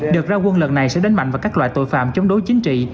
đợt ra quân lần này sẽ đánh mạnh vào các loại tội phạm chống đối chính trị